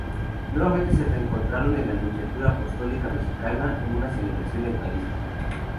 Nuevamente se reencontraron en la Nunciatura Apostólica mexicana en una celebración eucarística.